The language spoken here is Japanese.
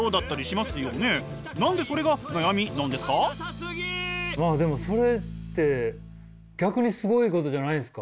まあでもそれって逆にすごいことじゃないんですか？